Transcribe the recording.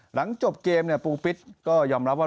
หลังจบเกมปูปิ๊ดก็ยอมรับว่า